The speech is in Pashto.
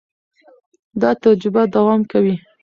دا تجربه دوام کوي.